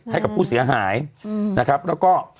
ให้กับผู้เสียหายนะครับ